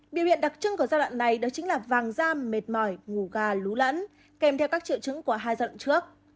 biểu hiện đặc trưng của giai đoạn này đó chính là vàng da mệt mỏi ngủ gà lún kèm theo các triệu chứng của hai giai đoạn trước